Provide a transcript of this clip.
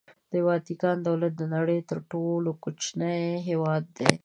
د واتیکان دولت د نړۍ تر ټولو کوچنی هېواد دی.